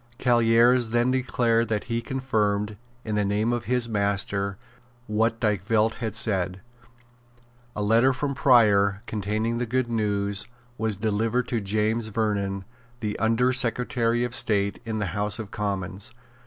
Callieres then declared that he confirmed, in the name of his master, what Dykvelt had said. A letter from Prior, containing the good news, was delivered to James Vernon, the Under Secretary of State, in the House of Commons.